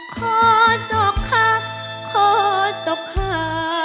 ขอศพค่ะขอศพค่ะ